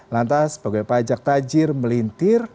lantas pegawai pajak tajir melintir